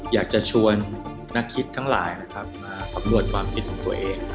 อยากจะชวนนักคิดทั้งหลายมาสำรวจความคิดของตัวเอง